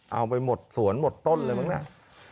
เอาไปหมดสวนหมดต้นเลยเหมือนกัน